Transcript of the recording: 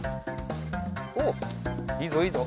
おっいいぞいいぞ。